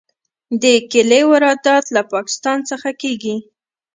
د کیلې واردات له پاکستان څخه کیږي.